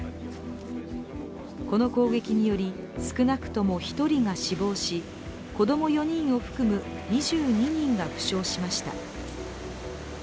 この攻撃により、少なくとも１人が死亡し子供４人を含む２２人が負傷しました。